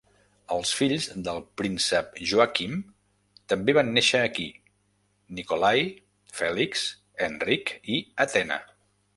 Els fills del príncep Joachim també van néixer aquí: Nikolai, Felix, Henrik i Athena.